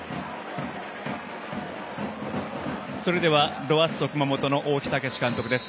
それではロアッソ熊本の大木武監督です。